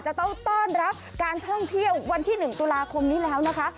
จะต้องต้อนรับการท่องเที่ยววันที่๑ตุลาคมนี้แล้วนะคะ